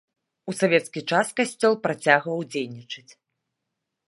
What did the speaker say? У савецкі час касцёл працягваў дзейнічаць.